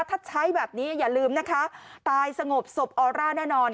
ถ้าใช้แบบนี้อย่าลืมนะคะตายสงบศพออร่าแน่นอน